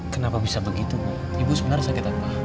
kenapa bisa begitu bu ibu sebenarnya sakit apa